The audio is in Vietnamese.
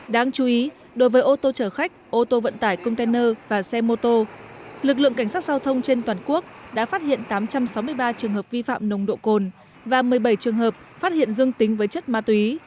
đáng chú ý đối với ô tô chở khách ô tô vận tải container và xe mô tô lực lượng cảnh sát giao thông trên toàn quốc đã phát hiện tám trăm sáu mươi ba trường hợp vi phạm nồng độ cồn và một mươi bảy trường hợp phát hiện dương tính với chất ma túy